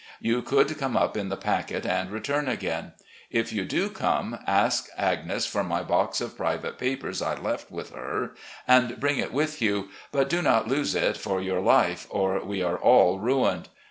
You could come up in the packet and return again. If you do come, ask Agnes for my box of private papers I left with her, and bring it with you ; but do not lose it for your life, or we are all ruined.